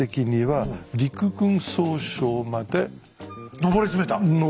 上り詰めた？